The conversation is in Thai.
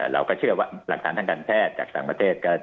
เราก็เชื่อว่าหลักฐานทางการแพทย์จากต่างประเทศ